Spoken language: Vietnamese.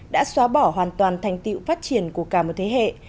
đã xóa bỏ hoàn toàn thành tiệu phát triển của cả một thế hệ